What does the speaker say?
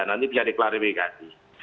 nah ini biar diklarifikasi